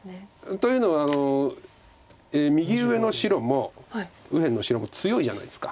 というのは右上の白も右辺の白も強いじゃないですか。